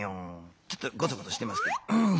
ちょっとゴソゴソしてますけど。